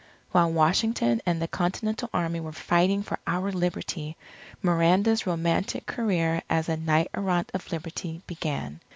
While Washington and the Continental Army were fighting for our Liberty, Miranda's romantic career as a Knight Errant of Liberty, began.